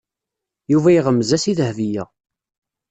Yuba iɣemmez-as i Dahbiya.